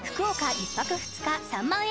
１泊２日３万円